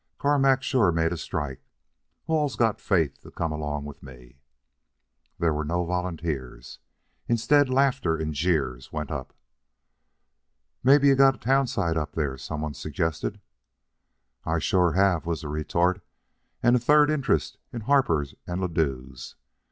Carmack's sure made a strike. Who all's got faith to come along with me?" There were no volunteers. Instead, laughter and jeers went up. "Mebbe you got a town site up there," some one suggested. "I sure have," was the retort, "and a third interest in Harper and Ladue's.